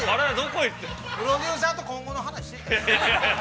◆プロデューサーと、今後の話をしてたんや。